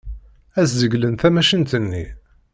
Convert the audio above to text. Ad zeglen tamacint-nni.